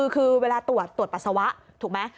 คือเวลาตรวจตรวจปัสสาวะถูกไหม